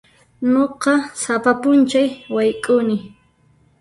Nuqa sapa p'unchay wayk'uni.